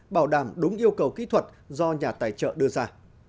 bảo đảm đúng yêu cầu kỹ thuật do nhà tài trợ đưa ra